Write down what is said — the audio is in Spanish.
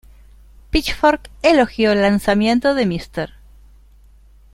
Pitchfork elogió el lanzamiento de "Mr.